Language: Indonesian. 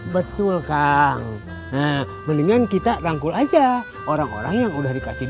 betul kang mendingan kita rangkul aja orang orang yang udah dikasih